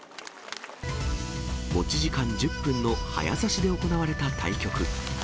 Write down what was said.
持ち時間１０分の早指しで行われた対局。